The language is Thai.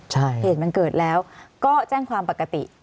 เหตุมันเกิดแล้วก็แจ้งความปกติใช่ไหมคะ